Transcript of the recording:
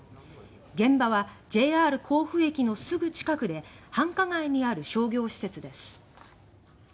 現場はＪＲ甲府駅のすぐ近くで繁華街にある商業施設です。